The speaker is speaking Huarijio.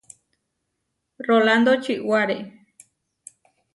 Rolándo čiʼwáre.